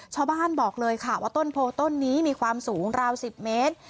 ชาวบ้านบอกเลยค่ะว่าต้นโพต้นนี้มีความสูงราว๑๐เมตร